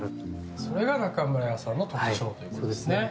それが中村屋さんの特徴ということですね。